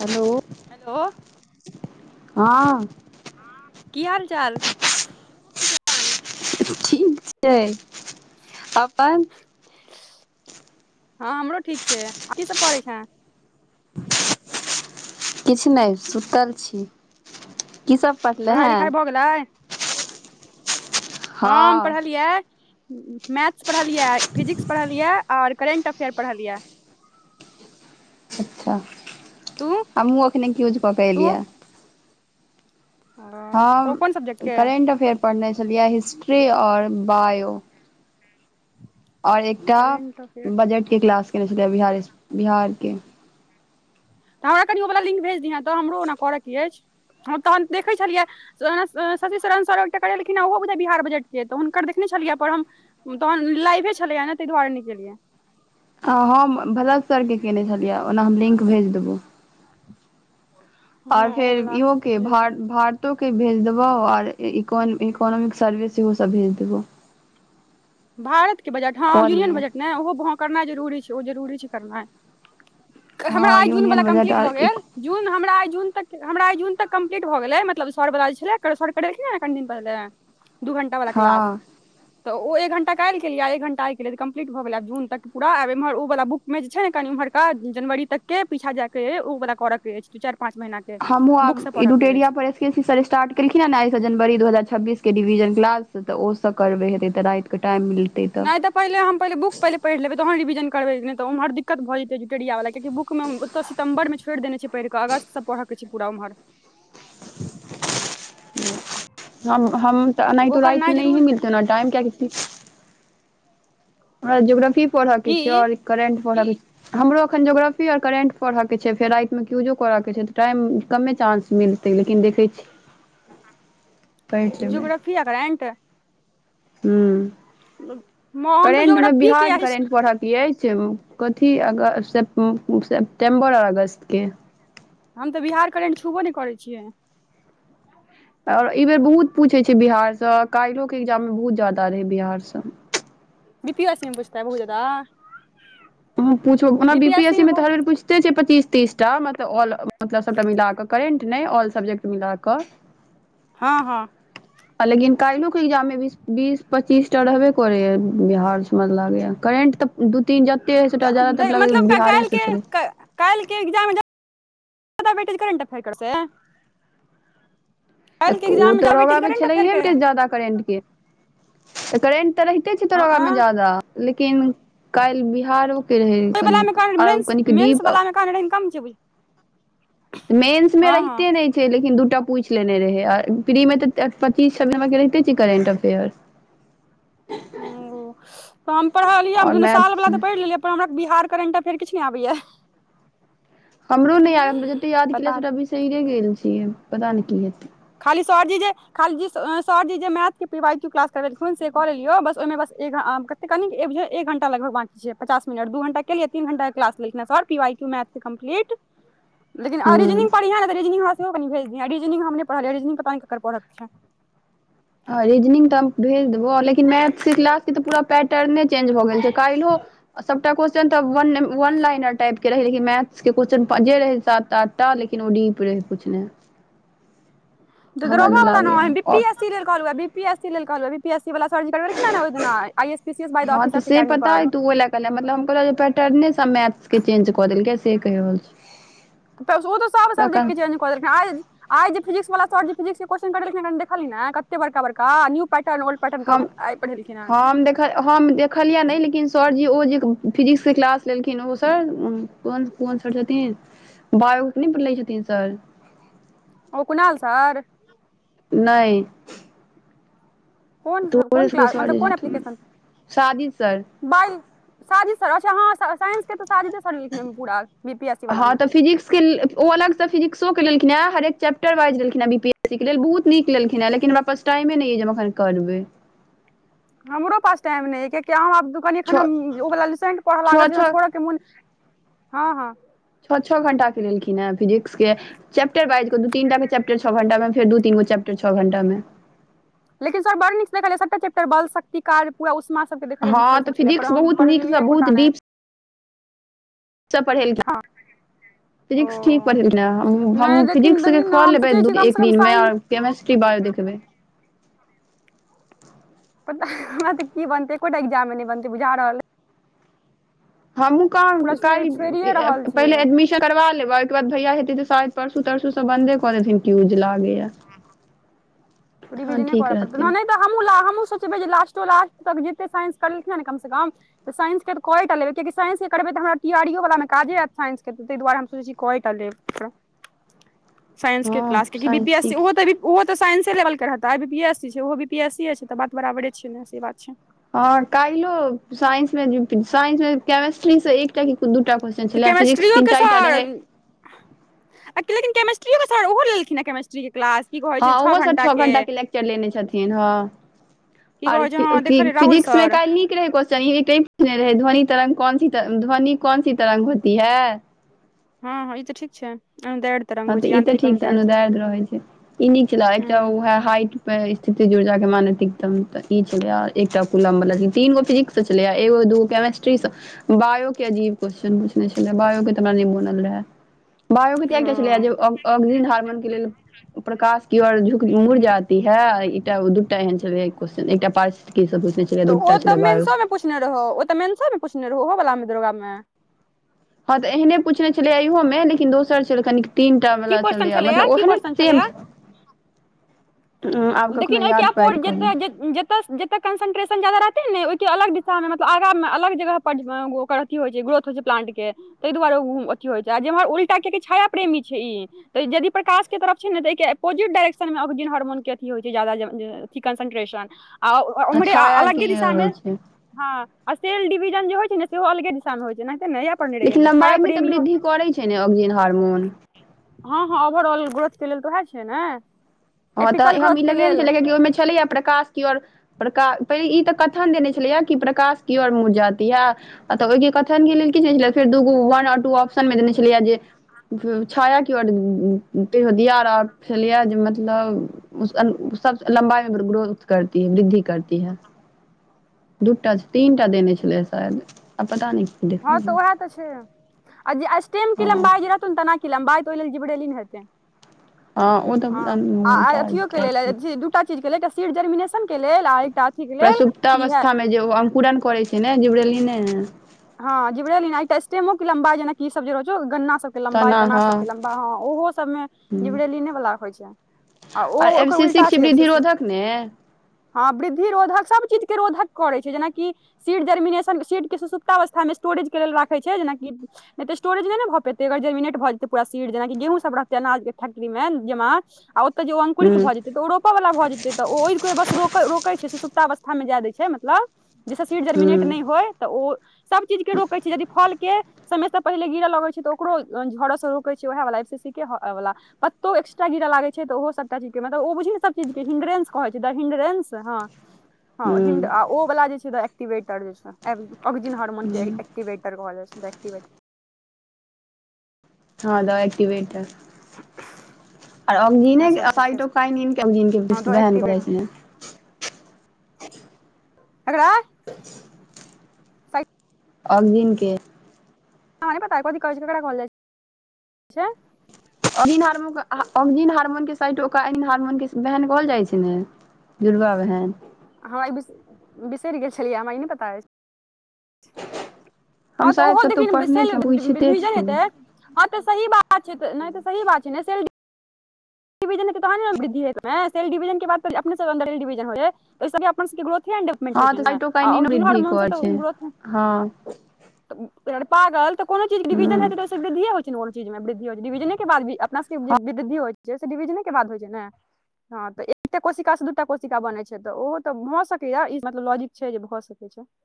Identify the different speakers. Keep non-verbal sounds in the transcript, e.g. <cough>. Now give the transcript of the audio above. Speaker 1: Hello
Speaker 2: hello
Speaker 1: हँ
Speaker 2: की हाल चाल?
Speaker 1: ठीक छैय, अपन?
Speaker 2: हँ हमरो ठीक छैय की सब करै छे?
Speaker 1: किछु नहि सुतल छी की सब पढ़ले
Speaker 2: पढ़ाइ
Speaker 1: हैं
Speaker 2: लिखाइ भऽ गेलै? हम
Speaker 1: हँ
Speaker 2: पढ़लियै मैथ्स पढ़लियै फिजिक्स पढ़लियै आओर करेन्ट अफेयर पढ़लियै।
Speaker 1: अच्छा
Speaker 2: तू
Speaker 1: हमहुँ अखने क्यूज कऽ के
Speaker 2: तू
Speaker 1: एलियै।
Speaker 2: अ, ओ
Speaker 1: हम
Speaker 2: कोन सब्जेक्ट के
Speaker 1: करेंट अफेयर पढ़ने छलियै हिस्ट्री आओर बायो। आओर एकटा
Speaker 2: करेंट अफेयर तऽ
Speaker 1: बजट के क्लास केने छलै बि बिहार के
Speaker 2: तऽ हमरा कनि ओ वला लिंक भेज दिहे तऽ हमरो ओना पड़य के अछि हम तहन देखैत छलियै शशि शरण सर एकटा करेलखिने ओहोै बिहार बजट के तऽ हुनकर देखने छलियै पर हम तहन लाइवे छलैया ने ताहि दुआरे निकेलिये
Speaker 1: हम भरत सरके केने छलियै ओना हम लिंक भेज देबो आर
Speaker 2: हँ ओ
Speaker 1: फेर
Speaker 2: वला
Speaker 1: इहो के
Speaker 2: भेज दिहे
Speaker 1: भार भार त के भेज देबो आ इकोनामिक सर्विस सेहो सब भेज देबो
Speaker 2: भारतके बजट हँ
Speaker 1: कऽ
Speaker 2: यूनियन
Speaker 1: लिहें
Speaker 2: बजट नहि ओहो करनाइ जरूरी छै ओ जरूरी छै करनाइ हमरा
Speaker 1: हँ
Speaker 2: आइ जून वला
Speaker 1: यूनियन बजट
Speaker 2: कम्प्लीट
Speaker 1: आर
Speaker 2: भऽ
Speaker 1: एक
Speaker 2: गेल जून हमरा जून तक हमरा जून तक कम्प्लीट भऽ गेलै मतलब सर बला जे छलै सर करेलखिन कनि दिन पहिले दू घंटा वाला क्लास
Speaker 1: हँ
Speaker 2: तऽ ओ एक घण्टा काल्हि केलिए एक घंटा आइ केलिए त कम्पलीट भऽ गेलै जून क पूरा आब एम्हर ओ व बुकमे छै ने कनि ओम्हरा जनवरी तक के पीछा जाय के ओ प करऽ के अछि चारि पाँच महिना के
Speaker 1: हमू आ
Speaker 2: बुक से पढ़ऽ के अछि
Speaker 1: इडुटेरिया पर सी सर स्टार्ट कएलखिन आइ सँ जनवरीू दू हजार छब्बीस केँ रिवीन कलास तऽ ओ सब करबै हेत तऽ राति टाइम मिल
Speaker 2: नहि तऽ पहिने हम पहले बुक पहिले पढ़ लेबे तहन रिविजन करबे न त उमहर दिक्कत भ जेतैे इडुटोरिया वला क कियाकि बुक में तऽ सितम्बर छोरदेने छै पढ़ कऽ अगस्त पढ़ऽ के छै पूरा ओमहर
Speaker 1: हम हम तऽ
Speaker 2: ओ करनाइ जरूर
Speaker 1: राति <unintelligible> तना टाइम क्य कत ओके ज्योग्रफी पढ़े के
Speaker 2: की
Speaker 1: छै और करेंट पढ़े के छै हमरो अखन जोग्राफी आर करेंट पढ़ऽ के छै फेर रातिमे क यूजो करऽ के छै तऽ टाइम कमे चांस मिल ते लेकिन देखै छी पढ़ि
Speaker 2: जोग्राफी आ करेंट
Speaker 1: ह
Speaker 2: हम तऽ
Speaker 1: करेंट मे
Speaker 2: जोग्रफी
Speaker 1: बिहार के करेंट
Speaker 2: हम
Speaker 1: पढ़त की अछि कथी अ सेप्टेम्बर आओर अगस्तके
Speaker 2: हम त बिहार करंट छुबो नहि करै छियै
Speaker 1: ओर ई बेर बहुत पूछै छै बिहार सँ काल्हि के एग्जाम मे बहुत जादा रहै बिहार सँ
Speaker 2: बी पी एस सी में बुछतै बहुत ज्यादा
Speaker 1: पूछना बी पी एस सी मे तऽरर पुछते छै पच्चीस तीस टा मलब मतलब सभटा मिल कऽ करेंट नहि ऑल सब्जेक्ट मिलाकऽ
Speaker 2: हँ हँ
Speaker 1: आ लेकिन काल्हिो के एग्जाम मे बीस बीस पच्चीस टा रहबे करे य बिहार मझ लागे या करेंट तऽ दू तीन जते हइ सेटा जादातर लगै
Speaker 2: मतलब काल्हि
Speaker 1: बिहारेसँ
Speaker 2: के
Speaker 1: छलै
Speaker 2: काल्हि के एग्जाम <unintelligible> करेंट अफेयर से के
Speaker 1: तऽ ओ
Speaker 2: एग्जाम मे
Speaker 1: तऽ
Speaker 2: जादा वेटेज
Speaker 1: रगाबे
Speaker 2: करेंट अफेयर के
Speaker 1: छलैये जादा करेंट के तऽ करेंट तऽ र क छै
Speaker 2: हँ
Speaker 1: दरोगा मे ज्यादा लेकिन काल्हि बिहार रहै कनिक आ कनिक डीप
Speaker 2: कान इननकम च भी
Speaker 1: मेन्स मे
Speaker 2: हँ
Speaker 1: रहते नहि लेकिन दूटा पूछि लेने रहे आ फ्री मे तऽ पच्चीस सब के रहि छै करेंट अफेयर
Speaker 2: तऽ हम
Speaker 1: आओर
Speaker 2: पढ़लियै साल
Speaker 1: मैथ्स
Speaker 2: बला तऽ पढ़ि लेलियै हमरा बिहार करेंट अफेयर फर किछु नहि आबैया
Speaker 1: हमरो नहि य हमरा जतेक याद
Speaker 2: पता
Speaker 1: केलियै
Speaker 2: नहि
Speaker 1: ओटा बिसरिरे गेल छियै पता नहि की हेतै
Speaker 2: खाली सरजी जे खाली जी, सरजी जे मैथके पि वार क्यू क्लास करबेलखिन, से कऽ लेलियै, बस ओहिमे बस। तऽ एक घंटा लग बाँकी छै, पचास मिनट। दू घंटा केलिय, तीन घंटा क्लास पी वी मैथ कम्पलीट। <inaudible> लेकिन आ
Speaker 1: हूँ
Speaker 2: रिजनिंग पढ़िहैं ने तऽ रिजनिंग हमरा सेहो कनि भेज दिहैं रिजनिंग हम नहि पढ़लियै रिजनिंग पता नहि ककर पढ़ के छै
Speaker 1: हँ रीजनिंग तऽ हम भेज देबौ लेकिन मैथके क्लासके तऽ पूरा पैटर्ने चेंज भऽ गेल छै काल्हि सभटा क्वेश्चन तऽ वन लाइन टाइप के रहै लेकिन मैथ्स के क्वेश्चन जे रहै सात आ ठा तऽ लेकिन ओ डीप रहै, पूछने।
Speaker 2: तऽ
Speaker 1: हमरा जे
Speaker 2: दरोगा वाला ना छै,
Speaker 1: लागैए
Speaker 2: बी पी
Speaker 1: आओर
Speaker 2: एस सी लेल कहल, बी पी एस सी लेल कहल। पी एस सी वा सर <unintelligible> करिन नेना आई एस पी एसऑफिरी पर
Speaker 1: ले, मतलब हम कहलहुँ पैटर्न सभ मैथके चेंज कऽ देलकै, से केह रहल छै।
Speaker 2: त ओ तऽ सब सब्जेक्ट के चेंज क देलखिन आइ आइ जे फिजिक वला सर जी <unintelligible> ने कते बड़काड़का न्य पैर्नलड
Speaker 1: हम हँ। <unintelligible> हम देखलियै नहि, लेकिन सरजी ओ जे फिजिक्सक क्लास लेलखिन, उ सर। कोन कोन सर छथिन बायो पर नहि लै छथिन सर
Speaker 2: ओ कुणाल सर
Speaker 1: नई
Speaker 2: कोन
Speaker 1: तोहरे
Speaker 2: कोन
Speaker 1: सबके
Speaker 2: क्लास
Speaker 1: सर
Speaker 2: मतलब
Speaker 1: जे
Speaker 2: कोन
Speaker 1: छथुन
Speaker 2: एप्लीकेशन।
Speaker 1: साजिद सर
Speaker 2: बाइ शाजीद सर अच्छा हँ साइंस के तऽ शादिदे सर लिखने में पूरा। बी पी एस सी वाला
Speaker 1: हँ
Speaker 2: मे
Speaker 1: तऽ फिजिक्स ' ओ अलगसँ फिजिक्सोक क लेलखिन हँ हरेक चैप्टर वाइज दखिन हँ बी एसी के लेल बहुत नीक लेलखिन हँ लेकिन हमरा पास टाइमे नहि जे ओ ख करटब <unintelligible>
Speaker 2: हमरो पास टाइम नहि या कियकि हम आब कनि एखन
Speaker 1: छओ
Speaker 2: हम ओवला लुसेंट पढ़ऽ लागल
Speaker 1: छओ
Speaker 2: छी जे
Speaker 1: छओ
Speaker 2: छोड़ऽ के मोने हँ हँ
Speaker 1: छओ छओ घंटा के लेलखिन हेँ फिजिक्स के चैप्टर वाइज दू-तीनटा चैप्टर छओ घंटामे, फेर दू-तीन गो चैप्टर छओ घंटामे
Speaker 2: लेकिन सर ब नटा चैपट ब सकै <unintelligible> ती <unintelligible> काज पूरा उष्मा सबके देखलियै
Speaker 1: हँ
Speaker 2: लिखल
Speaker 1: तऽ
Speaker 2: सब छलै पर
Speaker 1: फिजिक्स
Speaker 2: हम
Speaker 1: बहुत नीकसँ
Speaker 2: पढ़लियै
Speaker 1: बहुत
Speaker 2: एकोटा नहि
Speaker 1: पढ़े। <inaudible> फिजिक्स ठीक
Speaker 2: ओ
Speaker 1: पढ़े ने
Speaker 2: नहि
Speaker 1: हम
Speaker 2: लेकिन
Speaker 1: फिजिक्स के
Speaker 2: लेकिन
Speaker 1: खो
Speaker 2: हम सोचै
Speaker 1: लेबैू
Speaker 2: छियै कमसँ
Speaker 1: एक
Speaker 2: कम
Speaker 1: दिनमे
Speaker 2: साइन
Speaker 1: <unintelligible> केमिस्ट्री, बायो देखबे।
Speaker 2: पता हमरा तऽ की बनतै एकोटा एग्जाम मे नहि बनतै बुझा रहल अय
Speaker 1: हमहु क
Speaker 2: पूरा छोड़ि छोड़िये रहल
Speaker 1: पहिले
Speaker 2: छियै
Speaker 1: एडमिशन करबा लेबै ओहिके बाद भैया हेतै तऽ सायद परसू तरसू बन्दे कऽ देथिन कियुज लागेया
Speaker 2: रीविजने कर पड़तै
Speaker 1: रहतै
Speaker 2: नहि एकटा हमहूँ ला हमहूँ सोचबै जे लास्टो लास्ट तक जते साइंस करेलखिन हैं न कम से कम तऽ साइंस कऽ लेबै, किएकि साइंसके करब तऽ हमरा तैयारीवला मे काजे लागत। साइंसके ताहि दुआरे सोचैत छी, कऽ लेब। साइंसक
Speaker 1: हँ
Speaker 2: क्लासके B
Speaker 1: science
Speaker 2: P S <unintelligible> C
Speaker 1: ठीक छै
Speaker 2: लेल। चल हटा पी एसी छै भी पी एस स छै त बात बराबरे छै ने से बात छै
Speaker 1: हँ काल्हियो साइंस मे जे साइंस मे केमेस्ट्री से एकटा कि दूटा क्वेश्चन छै
Speaker 2: केमेस्ट्रियो के सर लेकिन केमेस्ट्रियो सर ओ लेलखिनेँ यो केमेिस्ट्रीक के क्लास की कहै
Speaker 1: हँ
Speaker 2: छै
Speaker 1: ओहो सभ
Speaker 2: घंटा
Speaker 1: छओ
Speaker 2: के
Speaker 1: घंटाक लेक्चर लेने छथिन हँ
Speaker 2: की
Speaker 1: और
Speaker 2: कहै छै हँ देखलियै राहुल
Speaker 1: फिजिक्स मे
Speaker 2: सर
Speaker 1: काल्हि नीक रहै क्वेश्चन ई कह पूछने रहै ध्वनि तरंग क कोन सी ध्वनि क कोन सी तरंग होती है।
Speaker 2: हँ हँ ई तऽ ठीक छै तरंग
Speaker 1: हँ
Speaker 2: होइ
Speaker 1: तऽ
Speaker 2: छै
Speaker 1: ई तऽ
Speaker 2: यांत्रिक
Speaker 1: ठीक छै
Speaker 2: अनुदैर्ध
Speaker 1: अनुर्दैय रहे छै ई नीक छल
Speaker 2: हूँ
Speaker 1: एकटा उएह हाइट पे स्थिति ऊर्जा कऽ मानैत ई छल, एकटा कुलममे तीन गो फिजिक्स। सचलिया एू केमेस्ट्री स बायो के अजीब क्वेश्चन पूछने छलै बायो के त हमरा नै बनल रहै बायो के त
Speaker 2: ओ
Speaker 1: एकटा ऑगजीन हार्मोन के लेल प्रकाश की ओर झुक मुड़ जाती है एकटा दूटा एहन छल कन एकटा पास की सब पुछने छलै दूटा छलै बायुस
Speaker 2: पूछने रहौ, ओ तऽ मेनसोमे पूछने रहौ ओहो वाला मे दरोगा मे
Speaker 1: हँ तऽ एहने पूछने छलेै इयहो मे लेकिन। इ दोसर छलै कनिक तीनटा
Speaker 2: की
Speaker 1: वला
Speaker 2: क्वेश्चन
Speaker 1: छलै
Speaker 2: छलैया
Speaker 1: मतलब
Speaker 2: की
Speaker 1: ओहने
Speaker 2: क्वेश्चन
Speaker 1: सेम आब कखनो
Speaker 2: देखिन न
Speaker 1: याद पाइक कहू
Speaker 2: <unintelligible> त कंसन्ट्रेशन ज्यादा रहतै ने ओहि के अलग दिशा मे मतलब आगा मे अलग जगह पर में ओकर अथी होइ छै ग्रोथ होइ छै प्लांट के ताहि दुआरे ओ अथी होइ छै आ जेम्हर उल्टा कियाकि छाया प्रेमी छै ई तऽ यदि प्रकाश तरफ छै ने तऽ एक अपोजि डायरेक्शन में। मोन कियाकी होइ छै ज्यादा जे जे अथि कंसंट्रेशन आ ओमरे
Speaker 1: छाया के
Speaker 2: अलगे दिशा
Speaker 1: होइ
Speaker 2: में
Speaker 1: छै
Speaker 2: हँ। आ सेल डिविजन जे होइ छै ने से ओ अलगे दिशा में होइ छैना हि
Speaker 1: लेकिन लम्बाई मे तऽ वृद्धि करै छै ने ऑक्जिन हार्मोन
Speaker 2: हँ हँ ओवर आउल ग्रोथ के लेल तऽ वेहे छै ने
Speaker 1: हँ तऽ
Speaker 2: एपिकल
Speaker 1: ई हम ई
Speaker 2: ग्रोथ के
Speaker 1: लगेने
Speaker 2: लेल
Speaker 1: छलियै कियाकी ओहिमे छलैया प्रकाश कर प्रका <unintelligible> श पहिले ई तऽ कथन देने छलै हा कि प्रकाश की ओर मुर जाति है आ तऽ ओहिके कथन लेल किछु नहि छलै, फेर दू गो वन आ टू ऑप्शनमे देने छलियै जे। छाया की <unintelligible> र दिया मतलब ओ सब सँ लम्बाई मे ग्रोथ करती है वृद्धि करती है दूटा तीनटा देने छलै शायद आब पता न
Speaker 2: हँ तऽ उएह तऽ छै आ जे स्टेम के
Speaker 1: हँ
Speaker 2: लम्बाई तन तनाकी लम्बाई तोहि जिबड़ेेलीन हेतै।
Speaker 1: ओ तऽ
Speaker 2: हँ आ
Speaker 1: मोटा
Speaker 2: अथियो के लेल
Speaker 1: टाइप
Speaker 2: जे दूटा। चीज के ले एकटा सीट जर्मिनेशन के लेल आ एकटा अथी के लेल इहै
Speaker 1: प्रसुप्तावस्था मे जे ओ अंकुरन करै छै ने जिब्रेली नैने
Speaker 2: हँ जीब्रेलीन स्टेनो के लम्बाई जेना कि इ सभ रहै छौ गन्ना।
Speaker 1: तना
Speaker 2: लम्बा-तना
Speaker 1: ह
Speaker 2: सभके लम्बा होइ छै, ओहो सभमे जिबरेलिनवाला होइत छै। आ ओ
Speaker 1: एम
Speaker 2: ओकर
Speaker 1: सी
Speaker 2: उल्टा
Speaker 1: सिक्स वृद्धि
Speaker 2: छैे।
Speaker 1: रोधक ने
Speaker 2: हँ, वृद्धि-रोधक सभ चीजके रोधक करै छै, जेना कि सीड जर्मिनेशन, सीडके। अवस्था मे स्टोरेज के लेल राखै छै जेनाकि। एते स्टोरेज नहि ने भऽ पेतै, गर जमिनेट भऽ जेतै। पूरा सीर जेना गेहूँ सभ रहतै, अनाजक फैक्ट्रीमे जमा। आ ओतऽ जे ओ
Speaker 1: हूं
Speaker 2: अंकुरित भ जेतै तऽ ओ रोपऽ वला भऽ जेतै त ओहि के बस र रोके छै सुसुकता अवस्था मे जाय देै छै मतलब। जहिसे सीड
Speaker 1: हूं
Speaker 2: जर्मिनेट नहि होय तऽ ओ सभ चीजके रोकै छै यदि फलके। समयसँ पहिने गिरऽ लगैत छै तऽ ओकरो झड़सँ रोकैत छै, ओएहवाला सीसी वाला। पत्तो एक्स्ट्रा गिर लागै छै तऽ ओहो सभटा चीज के मतलब ओ बुझी ने सभ चीज के हिंग्रेंस कहै छै द हिंग्रेंस हँ
Speaker 1: हूं
Speaker 2: ह ओ वला जे छै एक्टिवेटर ऑग्जिन हार्मोन
Speaker 1: हूं
Speaker 2: एकटिवेट भऽ जैय छै एक्टिवेट
Speaker 1: हँ दबाई पीबै त आ
Speaker 2: इएह
Speaker 1: अजिे
Speaker 2: सबके
Speaker 1: त
Speaker 2: से
Speaker 1: त ख नजिन के
Speaker 2: हँ द
Speaker 1: बहन कर छ।
Speaker 2: एक्टिवेटर
Speaker 1: <unintelligible>
Speaker 2: <inaudible>
Speaker 1: <inaudible>
Speaker 2: साइड
Speaker 1: ऑग्जिन के
Speaker 2: हमरा नै पता कथी कहै छै करा कहल जाइ छै।
Speaker 1: हार्मोनक साइड <unintelligible> ओ हार्मोनक बहन कहल जाइ छै ने। दुर्गा बहन। <unintelligible>
Speaker 2: हं ई बिस बिसरि गेल छलियै हमरा ई नहि पता अछि हँ
Speaker 1: हम
Speaker 2: तऽ
Speaker 1: शायद
Speaker 2: ओहो
Speaker 1: कतहु
Speaker 2: देखिन बीसै
Speaker 1: पढ़ने छियै हम पूछिते
Speaker 2: भिजल
Speaker 1: छियौ
Speaker 2: हेतै हँ तऽ सही बात छै नहि तऽ सही बात छै ने सेलडिबिजल तहन ने वृद्धि हेतै सेलडिविजल के बाद अपने सेलडिविजल हेतै ओहि से अपना ग्रोथ हड मट होइ
Speaker 1: हँ
Speaker 2: छै
Speaker 1: तऽ
Speaker 2: ने आ
Speaker 1: साइटोकाइनिनो
Speaker 2: जहर
Speaker 1: वृद्धि
Speaker 2: मनसँ
Speaker 1: करै
Speaker 2: तऽ
Speaker 1: छै
Speaker 2: ग्रोथ
Speaker 1: हँ
Speaker 2: पागल त को चीज डिवजने
Speaker 1: हँ
Speaker 2: हेतै त ओई स वृद्धिये होइ कोन चीज मे वृद्धि हो छै डिविजने के बाद अपना सबके जे वृद्धि होइ छै से डिविजने के बाद होइ छै ने हँ तऽ एकटाे कोशिका से दूटा कोशिका बन छै तऽ ओहो तऽ भऽ सकैया ई मतलब लॉजिक छै जे भऽ <inaudible>